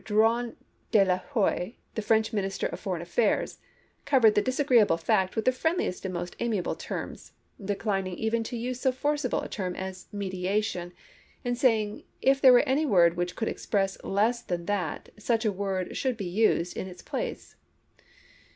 Drouyn de I'Huys, the French Minister of Foreign Affairs, covered the disagreeable fact with the friendliest and most amiable terms, declining even to use so forcible a term as " mediation," and saying, if there were any word which could express less than that, such a word should be used in its place.